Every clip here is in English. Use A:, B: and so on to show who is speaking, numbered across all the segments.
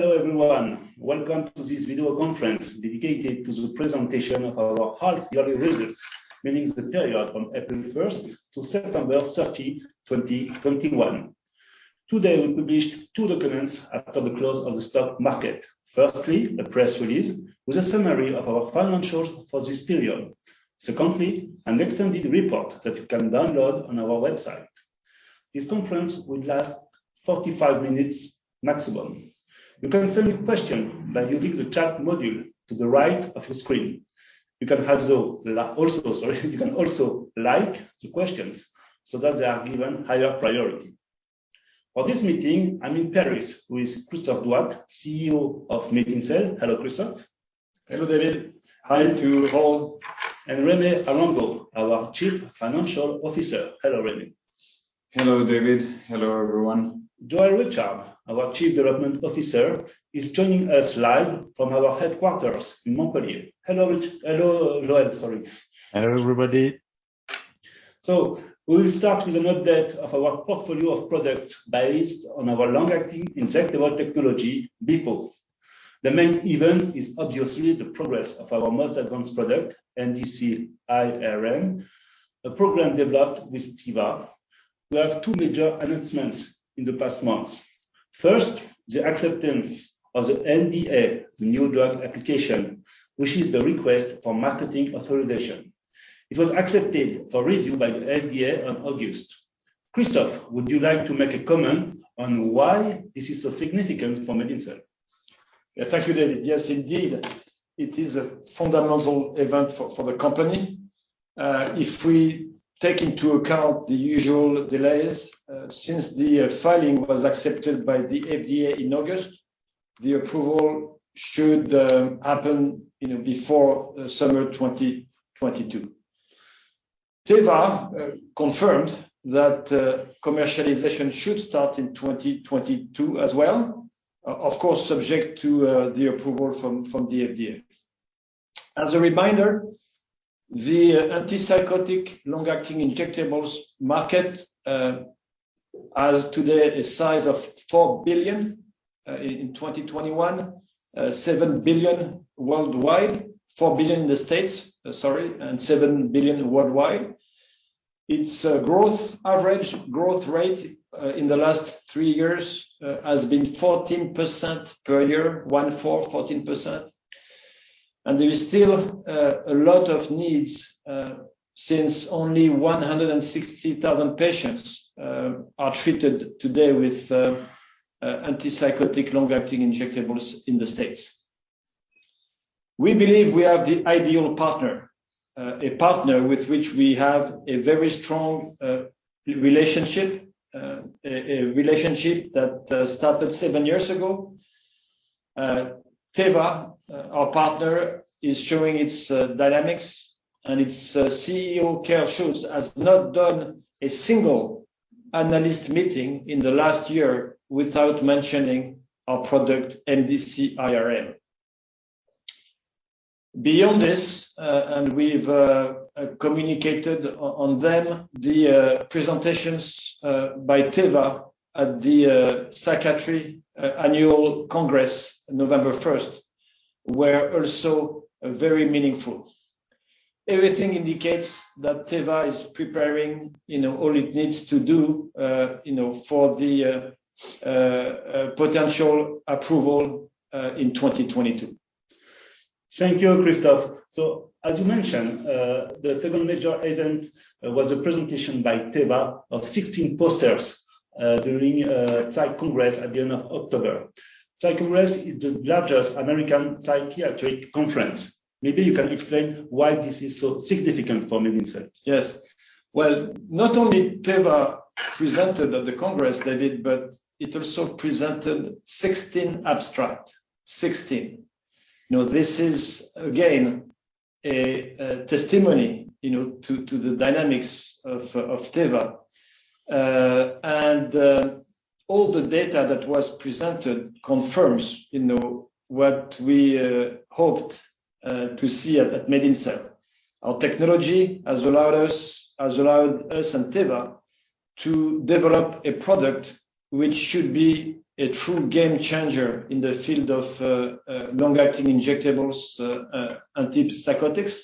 A: Hello, everyone. Welcome to this video conference dedicated to the presentation of our half yearly results, meaning the period from April 1 to September 30, 2021. Today, we published two documents after the close of the stock market. Firstly, a press release with a summary of our financials for this period. Secondly, an extended report that you can download on our website. This conference will last 45 minutes maximum. You can send a question by using the chat module to the right of your screen. You can also like the questions so that they are given higher priority. For this meeting, I'm in Paris with Christophe Douat, CEO of MedinCell. Hello, Christophe.
B: Hello, David. Hi to all.
A: Jaime Arango, our Chief Financial Officer. Hello, René.
C: Hello, David. Hello, everyone.
A: Joël Richard, our Chief Development Officer, is joining us live from our headquarters in Montpellier. Hello, Joël. Sorry.
D: Hello, everybody.
A: We will start with an update of our portfolio of products based on our long-acting injectable technology, BEPO. The main event is obviously the progress of our most advanced product, mdc-IRM, a program developed with Teva. We have two major announcements in the past months. First, the acceptance of the NDA, the new drug application, which is the request for marketing authorization. It was accepted for review by the FDA on August. Christophe, would you like to make a comment on why this is so significant for MedinCell?
B: Yeah. Thank you, David. Yes, indeed. It is a fundamental event for the company. If we take into account the usual delays, since the filing was accepted by the FDA in August, the approval should happen, you know, before summer 2022. Teva confirmed that commercialization should start in 2022 as well, of course, subject to the approval from the FDA. As a reminder, the antipsychotic long-acting injectables market as today is size of $4 billion in 2021, $7 billion worldwide. $4 billion in the States and $7 billion worldwide. Its growth rate in the last three years has been 14% per year. There is still a lot of needs since only 160,000 patients are treated today with antipsychotic long-acting injectables in the States. We believe we have the ideal partner. A partner with which we have a very strong relationship. A relationship that started seven years ago. Teva, our partner, is showing its dynamics, and its CEO, Kåre Schultz, has not done a single analyst meeting in the last year without mentioning our product, mdc-IRM. Beyond this, and we've communicated on them, the presentations by Teva at the Psych Congress, November first, were also very meaningful. Everything indicates that Teva is preparing, you know, all it needs to do, you know, for the potential approval in 2022.
A: Thank you, Christophe. As you mentioned, the second major event was a presentation by Teva of 16 posters during Psych Congress at the end of October. Psych Congress is the largest American psychiatric conference. Maybe you can explain why this is so significant for MedinCell.
B: Yes. Well, not only Teva presented at the congress, David, but it also presented 16 abstracts. 16. You know, this is again a testimony, you know, to the dynamics of Teva. All the data that was presented confirms, you know, what we hoped to see at MedinCell. Our technology has allowed us and Teva to develop a product which should be a true game changer in the field of long-acting injectables, antipsychotics.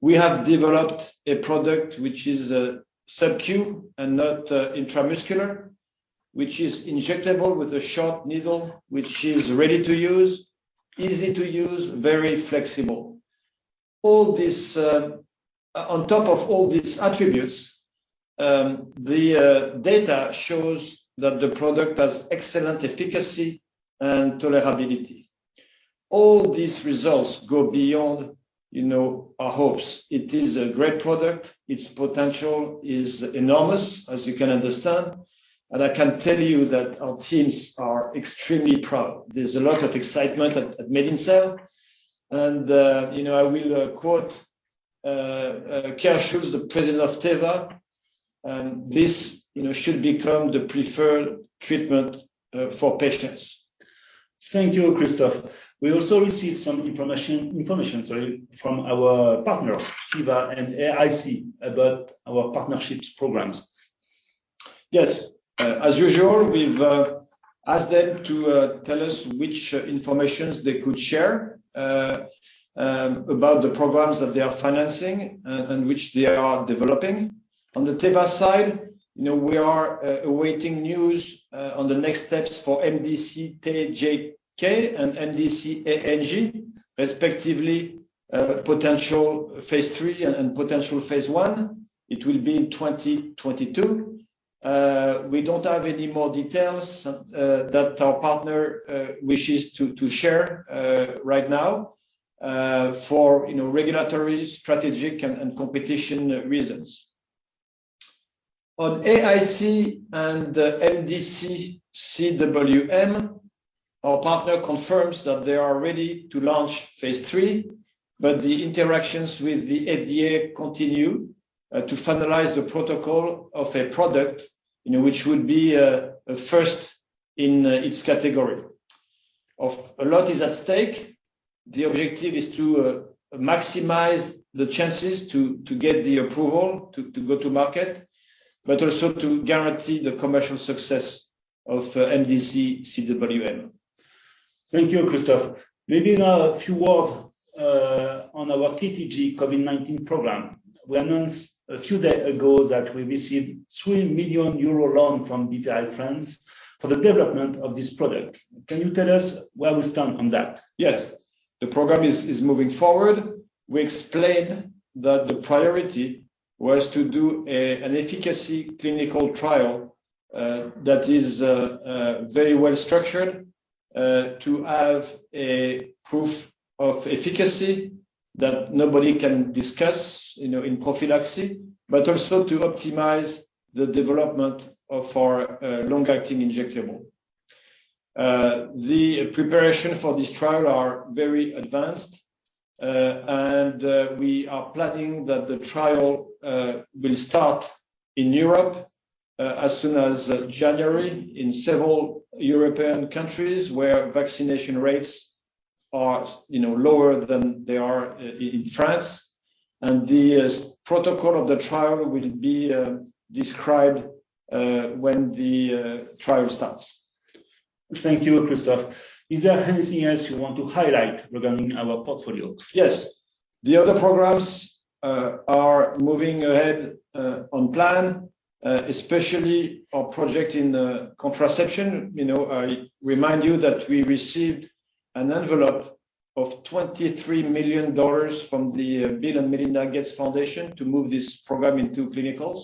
B: We have developed a product which is subQ and not intramuscular. Which is injectable with a short needle, which is ready to use, easy to use, very flexible. All these. On top of all these attributes, the data shows that the product has excellent efficacy and tolerability. All these results go beyond, you know, our hopes. It is a great product. Its potential is enormous, as you can understand. I can tell you that our teams are extremely proud. There's a lot of excitement at MedinCell. You know, I will quote Kåre Schultz, the president of Teva, "This, you know, should become the preferred treatment for patients.
A: Thank you, Christophe. We also received some information, sorry, from our partners, Teva and AIC, about our partnerships programs.
B: Yes. As usual, we've asked them to tell us which information they could share about the programs that they are financing and which they are developing. On the Teva side, you know, we are awaiting news on the next steps for mdc-TJK and mdc-ANG, respectively, potential phase III and potential phase I. It will be in 2022. We don't have any more details that our partner wishes to share right now for, you know, regulatory, strategic, and competition reasons. On AIC and mdc-CWM, our partner confirms that they are ready to launch phase III, but the interactions with the FDA continue to finalize the protocol of a product, you know, which would be a first in its category. A lot is at stake. The objective is to maximize the chances to get the approval to go to market, but also to guarantee the commercial success of mdc-CWM.
A: Thank you, Christophe. Maybe now a few words on our mdc-TTG COVID-19 program. We announced a few days ago that we received 3 million euro loan from Bpifrance for the development of this product. Can you tell us where we stand on that?
B: Yes. The program is moving forward. We explained that the priority was to do an efficacy clinical trial that is very well structured to have a proof of efficacy that nobody can discuss, you know, in prophylaxis, but also to optimize the development of our long-acting injectable. The preparation for this trial are very advanced, and we are planning that the trial will start in Europe as soon as January in several European countries where vaccination rates are, you know, lower than they are in France. The study protocol of the trial will be described when the trial starts.
A: Thank you, Christophe. Is there anything else you want to highlight regarding our portfolio?
B: Yes. The other programs are moving ahead on plan, especially our project in contraception. You know, I remind you that we received an envelope of $23 million from the Bill & Melinda Gates Foundation to move this program into clinicals.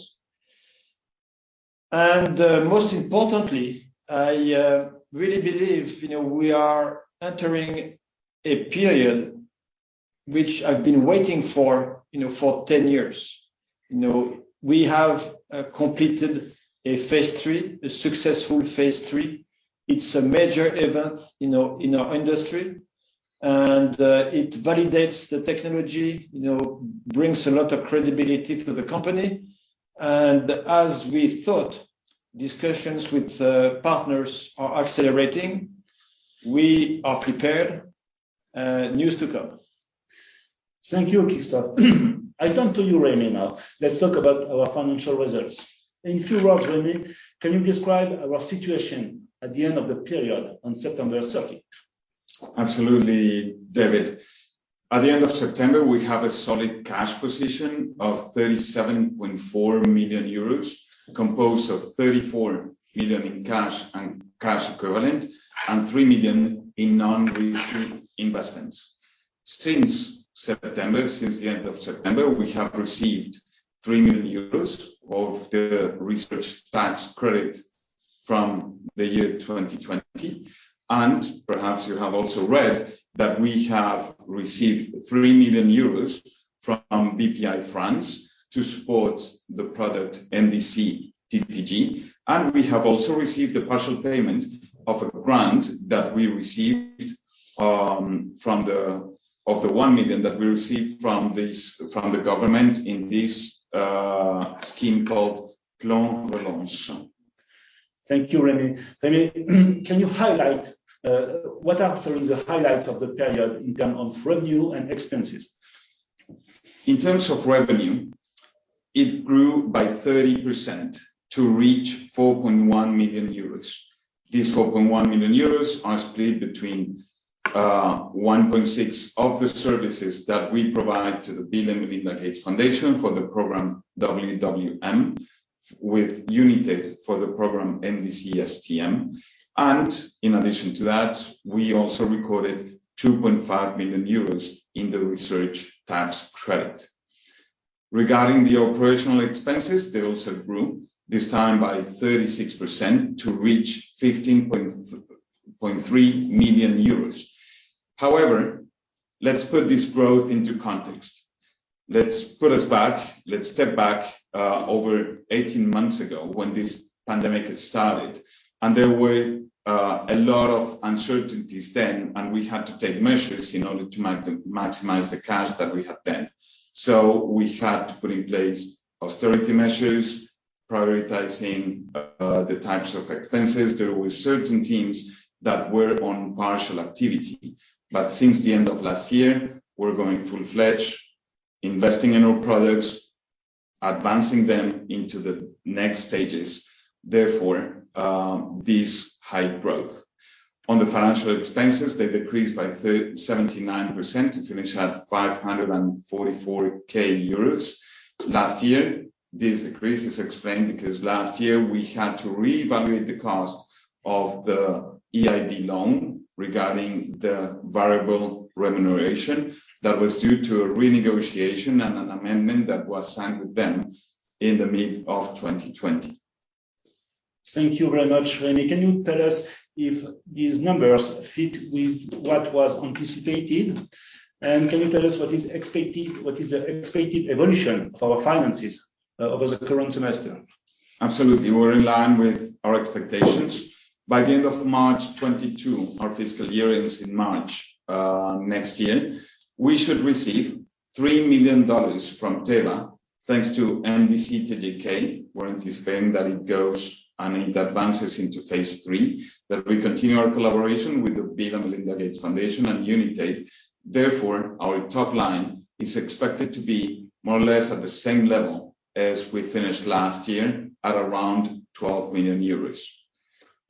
B: Most importantly, I really believe, you know, we are entering a period which I've been waiting for, you know, for 10 years. You know, we have completed a phase III, a successful phase III. It's a major event, you know, in our industry, and it validates the technology, you know, brings a lot of credibility to the company. As we thought, discussions with partners are accelerating. We are prepared. News to come.
A: Thank you, Christophe. I turn to you, Jaime, now. Let's talk about our financial results. In a few words, Jaime, can you describe our situation at the end of the period on September 30?
C: Absolutely, David. At the end of September, we have a solid cash position of 37.4 million euros, composed of 34 million in cash and cash equivalent and 3 million in non-restricted investments. Since the end of September, we have received 3 million euros of the research tax credit from the year 2020. Perhaps you have also read that we have received 3 million euros from Bpifrance to support the product mdc-TTG, and we have also received a partial payment of a grant that we received of the 1 million that we received from the government in this scheme called Plan de Relance.
A: Thank you, Jaime. Jaime, can you highlight what are some of the highlights of the period in terms of revenue and expenses?
C: In terms of revenue, it grew by 30% to reach 4.1 million euros. These 4.1 million euros are split between 1.6 of the services that we provide to the Bill & Melinda Gates Foundation for the program mdc-WWM, with Unitaid for the program mdc-STM. In addition to that, we also recorded 2.5 million euros in the research tax credit. Regarding the operational expenses, they also grew, this time by 36% to reach 15.3 million euros. However, let's put this growth into context. Let's step back over 18 months ago when this pandemic started. And there were a lot of uncertainties then, and we had to take measures in order to maximize the cash that we had then. So we had to put in place austerity measures, prioritizing the types of expenses. There were certain teams that were on partial activity. Since the end of last year, we're going full-fledged, investing in our products, advancing them into the next stages, therefore, this high growth. On the financial expenses, they decreased by 79% to finish at 544,000 euros. Last year, this decrease is explained because last year we had to reevaluate the cost of the EIB loan regarding the variable remuneration that was due to a renegotiation and an amendment that was signed with them in the mid of 2020.
A: Thank you very much, Jaime. Can you tell us if these numbers fit with what was anticipated? Can you tell us what is the expected evolution of our finances over the current semester?
C: Absolutely. We're in line with our expectations. By the end of March 2022, our fiscal year ends in March next year, we should receive $3 million from Teva, thanks to mdc-TJK. We're anticipating that it goes and it advances into phase III, that we continue our collaboration with the Bill & Melinda Gates Foundation and Unitaid. Therefore, our top line is expected to be more or less at the same level as we finished last year at around 12 million euros.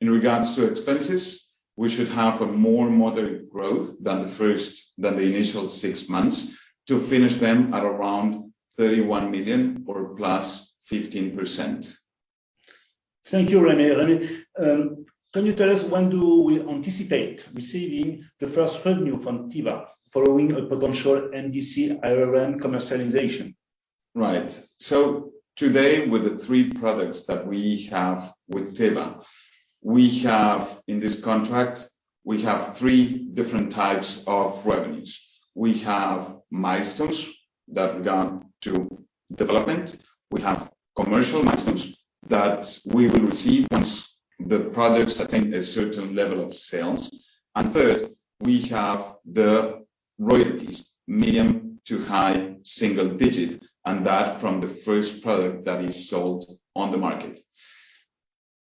C: In regards to expenses, we should have a more moderate growth than the initial six months to finish them at around 31 million or +15%.
A: Thank you, Jaime. Jaime, can you tell us when do we anticipate receiving the first revenue from Teva following a potential mdc-IRM commercialization?
C: Right. Today, with the three products that we have with Teva, we have. In this contract, we have three different types of revenues. We have milestones with regard to development. We have commercial milestones that we will receive once the products attain a certain level of sales. Third, we have the royalties, mid to high-single-digit, and that's from the first product that is sold on the market.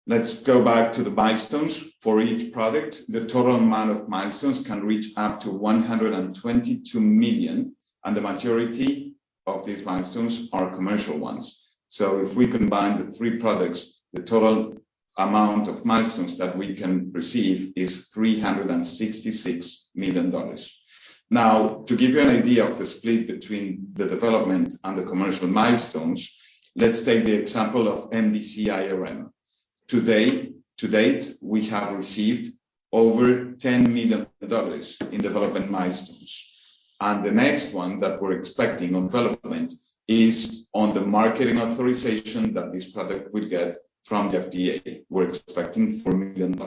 C: Let's go back to the milestones. For each product, the total amount of milestones can reach up to $122 million, and the majority of these milestones are commercial ones. If we combine the three products, the total amount of milestones that we can receive is $366 million. Now, to give you an idea of the split between the development and the commercial milestones, let's take the example of mdc-IRM. To date, we have received over $10 million in development milestones. The next one that we're expecting on development is on the marketing authorization that this product will get from the FDA. We're expecting $4 million.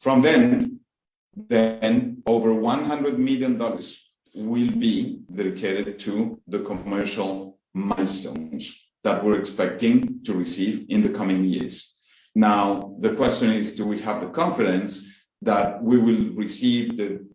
C: From then, over $100 million will be dedicated to the commercial milestones that we're expecting to receive in the coming years. Now, the question is, do we have the confidence that we will receive the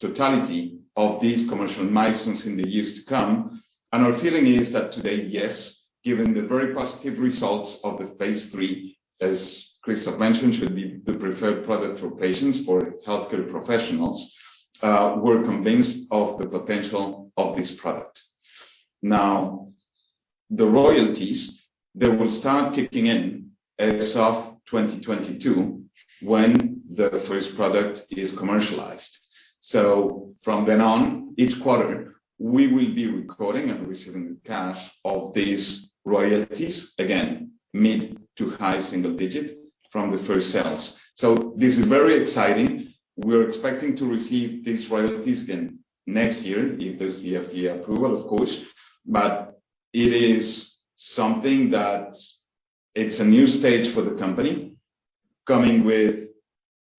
C: totality of these commercial milestones in the years to come? Our feeling is that today, yes, given the very positive results of the phase III, as Christophe mentioned, should be the preferred product for patients, for healthcare professionals, we're convinced of the potential of this product. Now, the royalties, they will start kicking in as of 2022 when the first product is commercialized. From then on, each quarter, we will be recording and receiving the cash of these royalties, again, mid to high-single-digit from the first sales. This is very exciting. We're expecting to receive these royalties again next year, if there's the FDA approval, of course. But it is something. It's a new stage for the company, coming with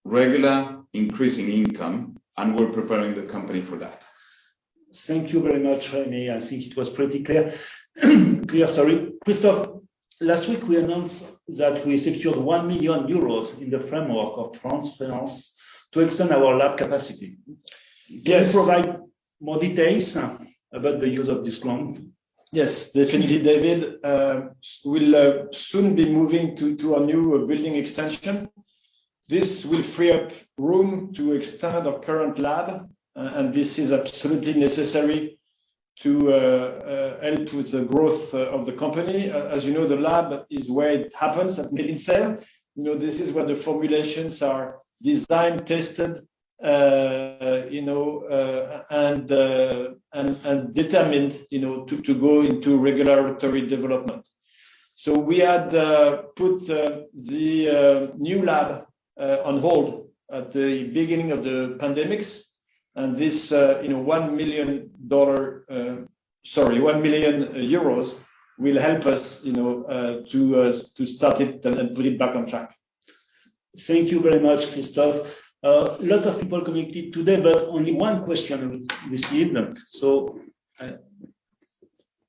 C: regular increasing income, and we're preparing the company for that.
A: Thank you very much, Jaime. I think it was pretty clear, sorry. Christophe, last week we announced that we secured 1 million euros in the framework of France Relance to extend our lab capacity.
B: Yes.
A: Can you provide more details about the use of this loan?
B: Yes, definitely, David. We'll soon be moving to a new building extension. This will free up room to extend our current lab, and this is absolutely necessary to help with the growth of the company. As you know, the lab is where it happens at MedinCell. You know, this is where the formulations are designed, tested, and determined to go into regulatory development. We had put the new lab on hold at the beginning of the pandemic. This EUR 1 million will help us, you know, to start it and put it back on track.
A: Thank you very much, Christophe. A lot of people connected today, but only one question received.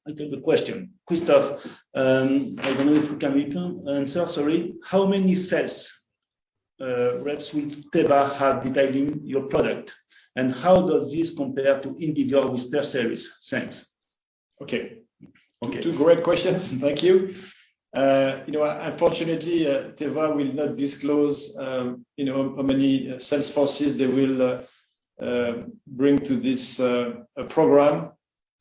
A: I take the question. Christophe, I don't know if you can repeat the answer, sorry. How many sales reps will Teva have detailing your product, and how does this compare to Indivior with PERSERIS sales?
B: Okay.
A: Okay.
B: Two great questions. Thank you. You know, unfortunately, Teva will not disclose, you know, how many sales forces they will bring to this program.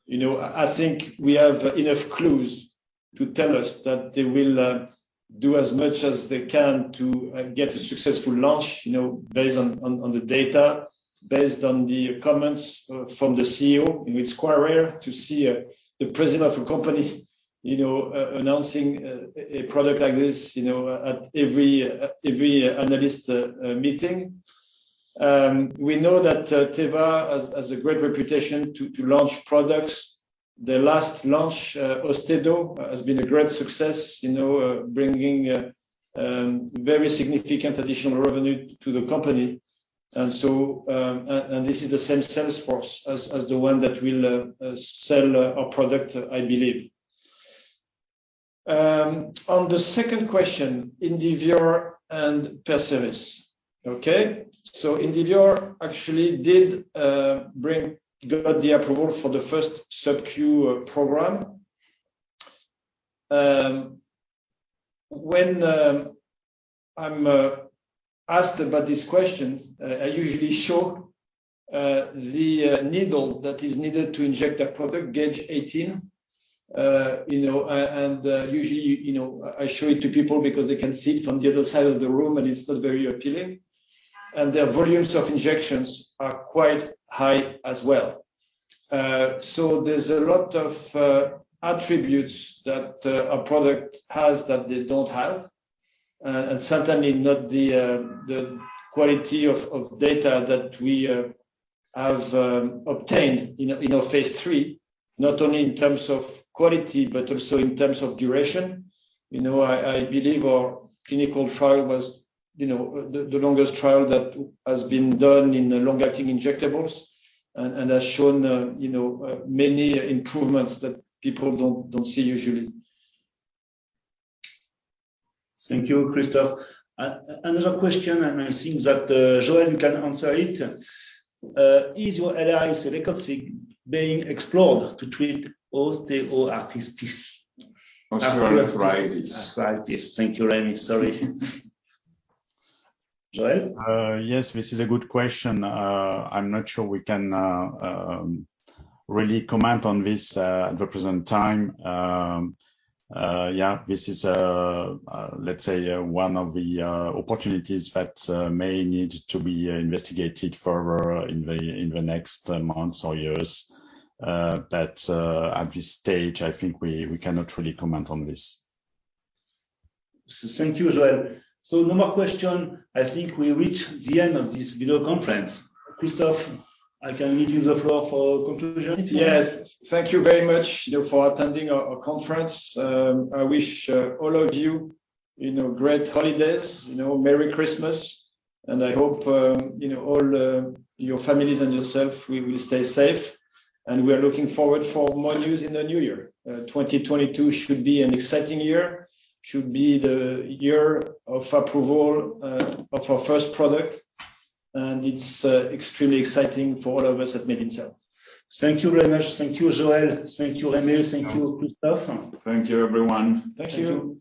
B: You know, I think we have enough clues to tell us that they will do as much as they can to get a successful launch, you know, based on the data, based on the comments from the CEO, you know. It's quite rare to see the president of a company, you know, announcing a product like this, you know, at every analyst meeting. We know that Teva has a great reputation to launch products. Their last launch, Austedo, has been a great success, you know, bringing very significant additional revenue to the company. This is the same sales force as the one that will sell our product, I believe. On the second question, Indivior and PERSERIS. Indivior actually did get the approval for the first subq program. When I'm asked about this question, I usually show the needle that is needed to inject a product, 18-gauge. You know, usually, you know, I show it to people because they can see it from the other side of the room, and it's not very appealing. Their volumes of injections are quite high as well. So there's a lot of attributes that our product has that they don't have, and certainly not the quality of data that we have obtained in our phase III, not only in terms of quality, but also in terms of duration. You know, I believe our clinical trial was you know the longest trial that has been done in the long-acting injectables and has shown you know many improvements that people don't see usually.
A: Thank you, Christophe. Another question, and I think that Joël can answer it. Is your LAI celecoxib being explored to treat osteoarthritis?
C: Osteoarthritis.
A: Arthritis. Thank you, Jaime. Sorry. Joël?
D: Yes, this is a good question. I'm not sure we can really comment on this at the present time. Yeah, this is let's say one of the opportunities that may need to be investigated further in the next months or years. At this stage, I think we cannot really comment on this.
A: Thank you, Joël. No more questions. I think we reach the end of this video conference. Christophe, I can give you the floor for conclusion.
B: Yes. Thank you very much, you know, for attending our conference. I wish all of you know, great holidays. You know, Merry Christmas, and I hope, you know, all your families and yourself, we will stay safe. We are looking forward for more news in the new year. 2022 should be an exciting year, should be the year of approval of our first product, and it's extremely exciting for all of us at MedinCell.
A: Thank you very much. Thank you, Joël. Thank you, Jaime. Thank you, Christophe.
C: Thank you, everyone.
B: Thank you.